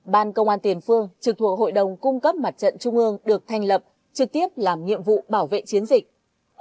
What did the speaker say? ban công an tiền phương trực thuộc hội đồng cung cấp mặt trận trung ương được thành lập trực tiếp làm nhiệm vụ bảo vệ chiến dịch